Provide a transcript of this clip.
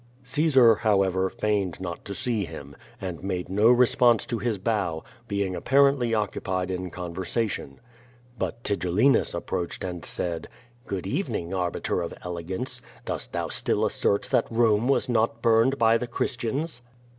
Caesar, however, feigned not to see him, and made no re sponse to his bow, being apparently occupied in conversation. But Tigellinus approached and said: "Good evening. Arbiter of Elegance. Dost thou still assert that Rome was not burned by the Christians?"